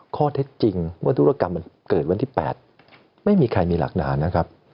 ข้อเท็จจริงว่าธุรกรรมมันเกิดวันที่๘ไม่มีใครมีหลักฐานนะครับ